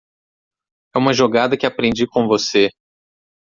É uma jogada que aprendi com você.